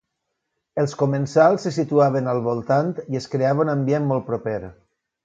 Els comensals se situaven al voltant i es creava un ambient molt proper.